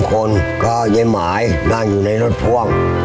คนก็เย้หมายนั่งอยู่ในรถพ่วง